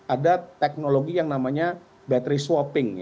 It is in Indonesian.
ada teknologi yang namanya battery swapping